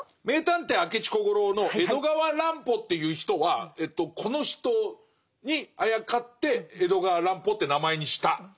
名探偵明智小五郎の江戸川乱歩という人はこの人にあやかって江戸川乱歩って名前にした。